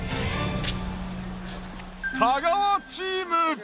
太川チーム！